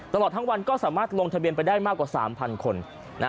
ตลอดทั้งวันก็สามารถลงทะเบียนไปได้มากกว่า๓๐๐คน